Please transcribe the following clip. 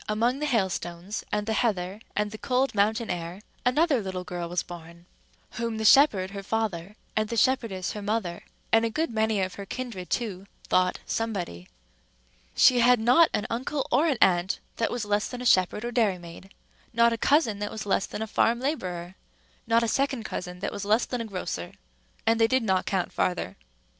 among the hailstones, and the heather, and the cold mountain air, another little girl was born, whom the shepherd her father, and the shepherdess her mother, and a good many of her kindred too, thought Somebody. She had not an uncle or an aunt that was less than a shepherd or dairymaid, not a cousin, that was less than a farm laborer, not a second cousin that was less than a grocer, and they did not count farther.